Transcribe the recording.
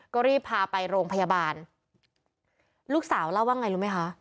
ก็รีบพาไปโรงพยาบาลลูกสาวเล่าว่าไงรู้ไหมคะ